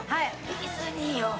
ディズニーよ。